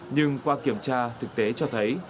nhưng qua kiểm tra thực tế cho thấy